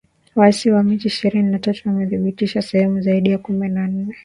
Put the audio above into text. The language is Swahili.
Waasi wa Machi ishirini na tatu wamedhibiti sehemu zaidi ya kumi na nne